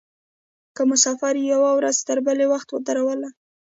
که مو سفر یوه ورځ بل وخت درلودلای.